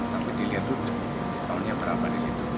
tapi dilihat tuh tahunnya berapa di situ